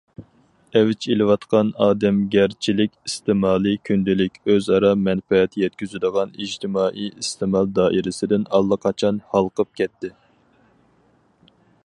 ئەۋج ئېلىۋاتقان ئادەمگەرچىلىك ئىستېمالى كۈندىلىك، ئۆزئارا مەنپەئەت يەتكۈزىدىغان ئىجتىمائىي ئىستېمال دائىرىسىدىن ئاللىقاچان ھالقىپ كەتتى.